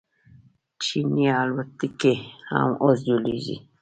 چیني الوتکې هم اوس جوړیږي.